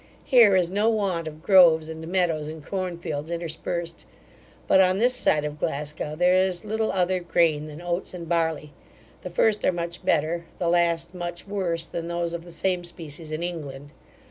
Here is no want of groves, and meadows, and corn fields interspersed; but on this side of Glasgow, there is little other grain than oats and barley; the first are much better, the last much worse, than those of the same species in England.